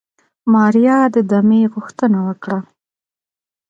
ماريا د دمې غوښتنه وکړه.